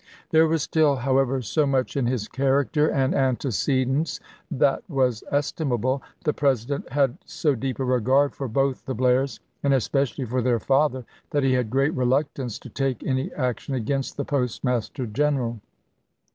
There was still, however, so much in his character and antecedents that was estimable, the President had so deep a regard for both the Blairs, and especially for their father, that he had great reluctance to take any action against the Postmaster General.